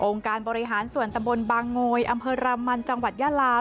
การบริหารส่วนตำบลบางโงยอำเภอรามันจังหวัดยาลา